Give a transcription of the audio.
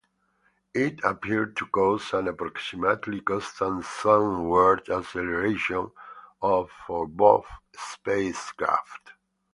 It appeared to cause an approximately constant sunward acceleration of for both spacecraft.